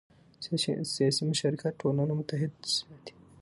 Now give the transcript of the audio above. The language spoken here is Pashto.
سیاسي مشارکت ټولنه متحد ساتي